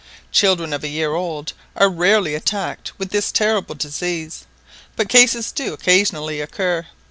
Children of a year old are rarely attacked with this terrible disease, but cases do occasionally occur.